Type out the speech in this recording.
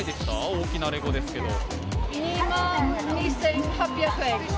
大きなレゴですけど。